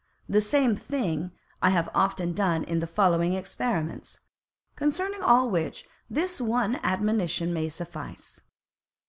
The same Thing, I have often done in the following Experiments: Concerning all which, this one Admonition may suffice.